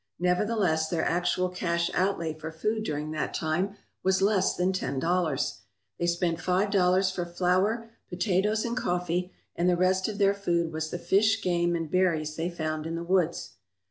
Nevertheless, their actual cash outlay for food during that time was less than ten dollars. They spent five dollars for flour, potatoes, and coffee, and the rest of their food was the fish, game, and berries they found in the woods.